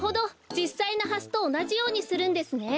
じっさいのハスとおなじようにするんですね。